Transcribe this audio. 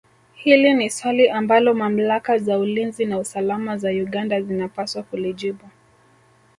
Hili ni swali ambalo mamlaka za ulinzi na usalama za Uganda zinapaswa kulijibu